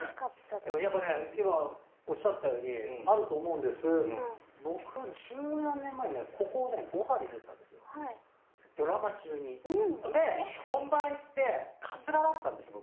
でもやっぱね今おっしゃったようにあると思うんです僕十何年前にドラマ中に。で本番行ってカツラだったんです僕。